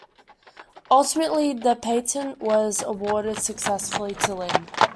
Ultimately, the patent was awarded successfully to Linn.